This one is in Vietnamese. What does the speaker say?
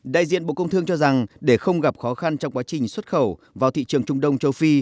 đại diện bộ công thương cho rằng để không gặp khó khăn trong quá trình xuất khẩu vào thị trường trung đông châu phi